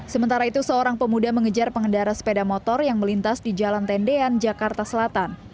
sementara itu seorang pemuda mengejar pengendara sepeda motor yang melintas di jalan tendean jakarta selatan